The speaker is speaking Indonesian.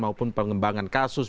maupun pengembangan kasus